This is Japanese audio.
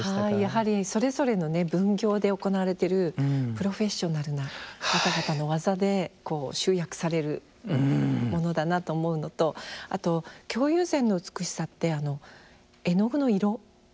やはりそれぞれの分業で行われているプロフェッショナルな方々の技で集約されるものだなと思うのとあと京友禅の美しさって絵の具の色。